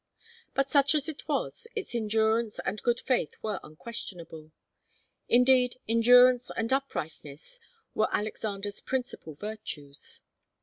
But such as it was, its endurance and good faith were unquestionable. Indeed, endurance and uprightness were Alexander's principal virtues.